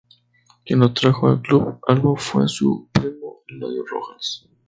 Quien lo trajo a club albo fue su primo Eladio Rojas.